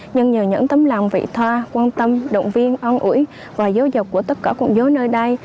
nhưng nhờ những tâm lòng vị thoa quan tâm động viên on ủi và dấu dọc của tất cả quản giáo nơi đây